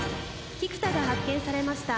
菊田が発見されました。